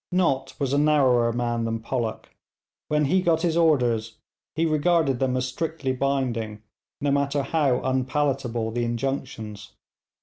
Nott was a narrower man than Pollock. When he got his orders he regarded them as strictly binding, no matter how unpalatable the injunctions.